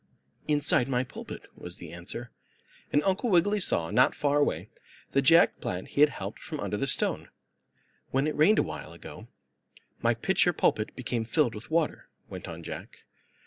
"Inside my pulpit," was the answer, and Uncle Wiggily saw, not far away, the Jack plant he had helped from under the stone. "When it rained a while ago, my pitcher pulpit became filled with water," went on Jack.